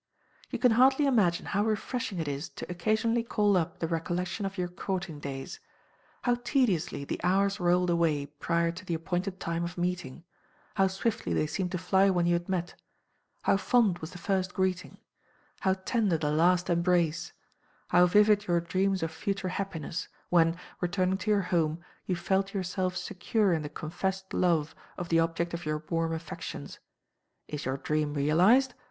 You can hardly imagine how refreshing it is to occasionally call up the recollection of your courting days. How tediously the hours rolled away prior to the appointed time of meeting; how swiftly they seemed to fly when you had met; how fond was the first greeting; how tender the last embrace; how vivid your dreams of future happiness, when, returning to your home, you felt yourself secure in the confessed love of the object of your warm affections! Is your dream realised?